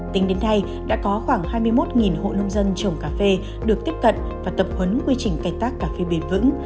tính đến nay đã có khoảng hai mươi một hộ nông dân trồng cà phê được tiếp cận và tập huấn quy trình cài tác cà phê bền vững